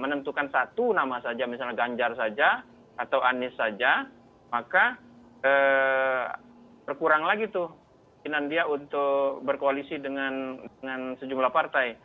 menentukan satu nama saja misalnya ganjar saja atau anies saja maka berkurang lagi tuh kemungkinan dia untuk berkoalisi dengan sejumlah partai